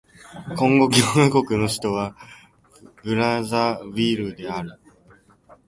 コンゴ共和国の首都はブラザヴィルである